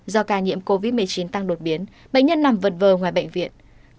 do ca nhiễm covid một mươi chín tăng đột biến bệnh nhân nằm vật vờ ngoài bệnh viện